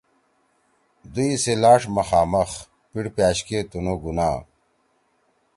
دُوئی سی لاݜ مُخامُخ پیِڑپأشکے تنُو گُناہ